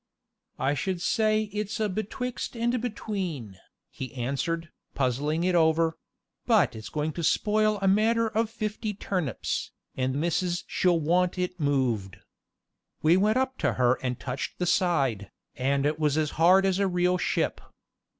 "I should say it's a betwixt and between," he answered, puzzling it over; "but it's going to spoil a matter of fifty turnips, and missus she'll want it moved." We went up to her and touched the side, and it was as hard as a real ship.